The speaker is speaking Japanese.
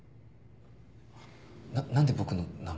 な何で僕の名前。